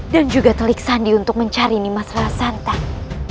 dan juga telik sandi untuk mencari nimas rara santang